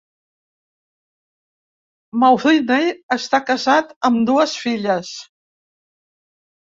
Mawhinney està casat amb dues filles.